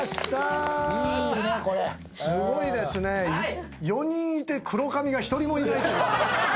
すごいですね４人いて黒髪が１人もいない。